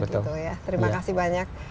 terima kasih banyak